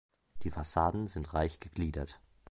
Die Fassaden sind reich gegliedert.